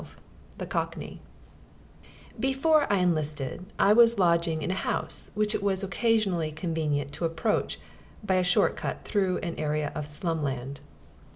XII THE COCKNEY Before I enlisted I was lodging in a house which it was occasionally convenient to approach by a short cut through an area of slumland.